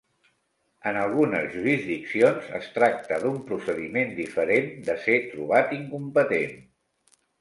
En algunes jurisdiccions, es tracta d'un procediment diferent de ser "trobat incompetent".